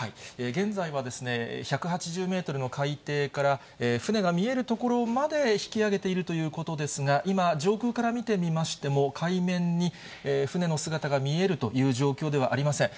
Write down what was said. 現在は１８０メートルの海底から、船が見える所まで引き揚げているということですが、今、上空から見てみましても、海面に船の姿が見えるという状況ではありません。